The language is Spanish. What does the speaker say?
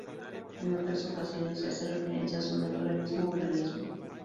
En otras ocasiones, se hace referencia a su naturalismo o realismo.